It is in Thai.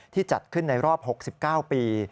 จัดขึ้นในรอบ๖๙ปี